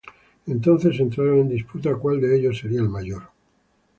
Entonces entraron en disputa, cuál de ellos sería el mayor.